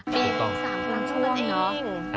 ถูกต้องอ๋อจริง